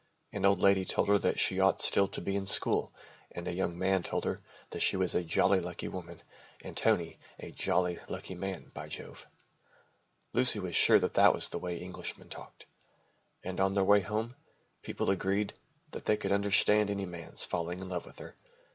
An old lady told her that she ought still to be in school and a young man told her that she was a jolly lucky woman and Tony a jolly lucky man, by Jove. Lucy was sure that that was the way Englishmen talked. And on their way home, people agreed that they could understand any man's falling in love with her.